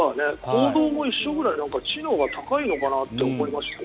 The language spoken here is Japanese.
行動も一緒ぐらいなんか知能も高いのかなと思いました。